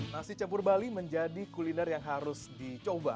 nasi campur bali menjadi kuliner yang harus dicoba